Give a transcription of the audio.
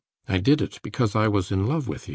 I did it because I was in love with you.